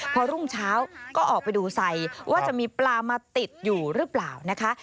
พอรุ่งเช้าก็ออกไปดูใส่ว่าจะมีปลามาติดอยู่หรือเปล่านะคะ